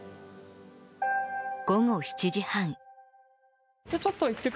午後７時半。